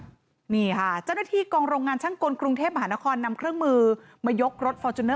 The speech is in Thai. นี่ค่ะเจ้าหน้าที่กองโรงงานช่างกลกรุงเทพมหานครนำเครื่องมือมายกรถฟอร์จูเนอร์